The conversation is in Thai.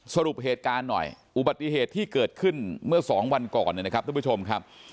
สรุปเหตุการณ์หน่อยอุบัติเหตุที่เกิดขึ้นเมื่อสองวันก่อนนะครับทุกผู้ชมครับ